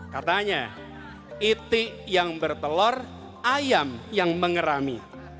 katanya itik yang bertelor ayam yang mengerami